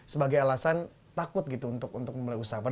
sebagai alasan takut gitu untuk memulai usaha